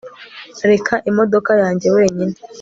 reka imodoka yanjye wenyine